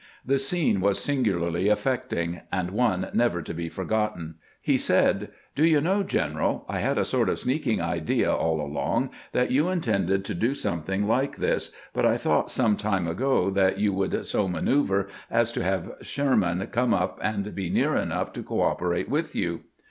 The scene was singularly affecting, and one never to be forgotten. He said: "Do you know, general, I had a sort of sneaking idea all along that you intended to do something like this; but I thought some time ago that you would so manoeuver as to have Sherman come up and be near enough to cooperate with you."